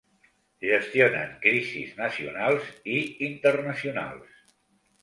Gestionen crisis nacionals i internacionals.